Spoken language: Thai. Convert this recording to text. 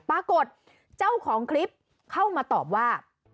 ปรากฏเจ้าของคลิปเข้ามาตอบว่า